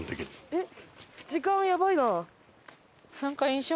えっ？